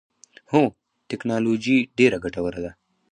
هو، تکنالوجی ډیره ګټوره ده